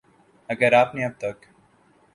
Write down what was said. اگر آپ نے اب تک